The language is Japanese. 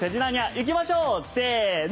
行きましょうせの！